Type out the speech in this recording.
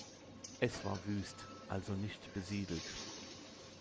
Es war wüst, also nicht besiedelt.